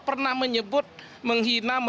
pernah menyebut menghina